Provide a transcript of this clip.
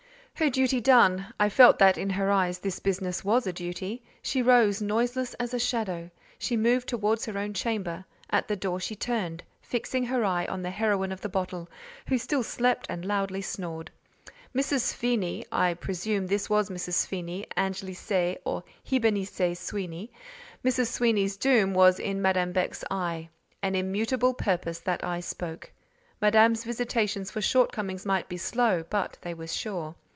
Her duty done—I felt that in her eyes this business was a duty—she rose, noiseless as a shadow: she moved towards her own chamber; at the door, she turned, fixing her eye on the heroine of the bottle, who still slept and loudly snored. Mrs. Svini (I presume this was Mrs. Svini, Anglicé or Hibernicé, Sweeny)—Mrs. Sweeny's doom was in Madame Beck's eye—an immutable purpose that eye spoke: Madame's visitations for shortcomings might be slow, but they were sure.